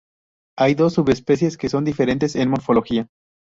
Hay dos subespecies que son diferentes en morfología.